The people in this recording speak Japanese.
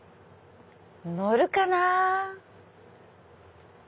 のるかな？